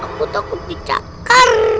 aku takut dicakar